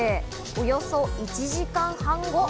およそ１時間半後。